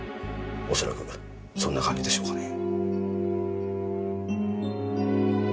恐らくそんな感じでしょうかね。